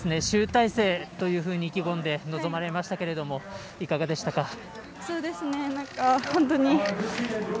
集大成というふうに意気込んで臨まれましたけどいかがでしたか？